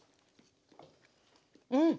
うん！